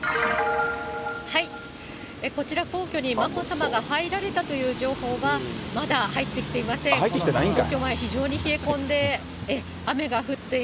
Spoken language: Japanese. こちら、皇居に眞子さまが入られたという情報が、入ってきてないんかい。